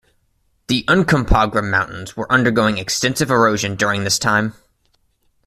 The Uncompahgre Mountains were undergoing extensive erosion during this time.